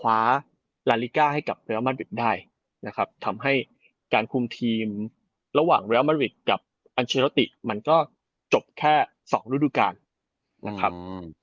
คว้าราลิก้าให้กับเรียลมัดริตได้ทำให้การคุมทีมระหว่างเรียลมัดริตกับอัลเชอร์ติมันก็จบแค่๒รูดุการนะครับ